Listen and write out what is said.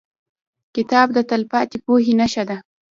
کتاب د تلپاتې پوهې نښه ده.